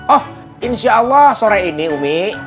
oh insya allah sore ini umi